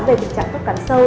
về tình trạng khớp cắn sâu